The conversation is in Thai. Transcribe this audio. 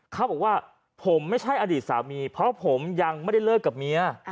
เขาบอกว่าผมไม่ใช่อดีตสามีเพราะผมยังไม่ได้เลิกกับเมีย